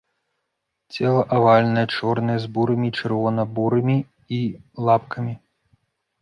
Цела авальнае, чорнае, з бурымі і чырвона-бурымі і лапкамі.